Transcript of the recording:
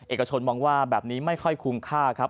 เอกชนมองว่าแบบนี้ไม่ค่อยคุ้มค่าครับ